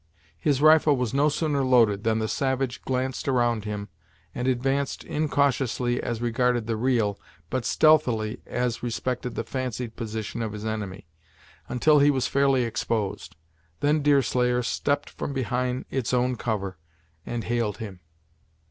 His rifle was no sooner loaded, than the savage glanced around him, and advanced incautiously as regarded the real, but stealthily as respected the fancied position of his enemy, until he was fairly exposed. Then Deerslayer stepped from behind its own cover, and hailed him.